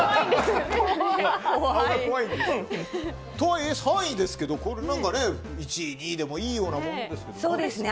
とはいえ、３位ですけど１位、２位でもいいようなものですけどね。